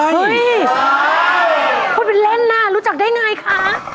เฮ้ยพูดเป็นเล่นน่ะรู้จักได้ไงคะ